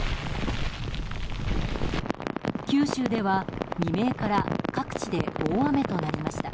九州では未明から各地で大雨となりました。